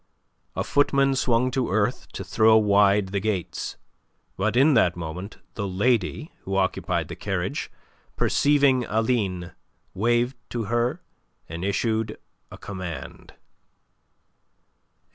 A footman swung to earth to throw wide the gates; but in that moment the lady who occupied the carriage, perceiving Aline, waved to her and issued a command.